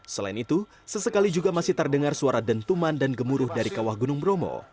selain itu sesekali juga masih terdengar suara dentuman dan gemuruh dari kawah gunung bromo